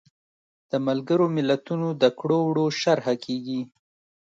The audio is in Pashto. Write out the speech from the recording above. د ملګرو ملتونو د کړو وړو شرحه کیږي.